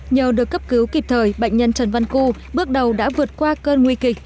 nhờ được cấp cứu kịp thời bệnh nhân trần văn cưu bước đầu đã vượt qua cơn nguy kịch